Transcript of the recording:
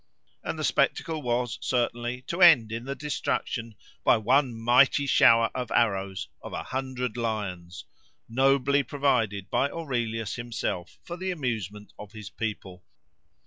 And the spectacle was, certainly, to end in the destruction, by one mighty shower of arrows, of a hundred lions, "nobly" provided by Aurelius himself for the amusement of his people.